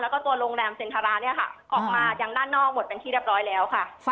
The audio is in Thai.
แล้วก็ตัวโรงแรมเซ็นทราออกมาอย่างด้านนอกหมดเป็นที่เรียบร้อยแล้ว